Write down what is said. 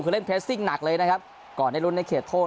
คือเล่นเพสซิ่งหนักเลยนะครับก่อนได้ลุ้นในเขตโทษ